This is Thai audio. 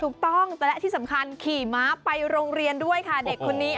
ถูกต้องและที่สำคัญขี่ม้าไปโรงเรียนด้วยค่ะเด็กคนนี้